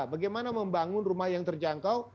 bagaimana membangun rumah yang terjangkau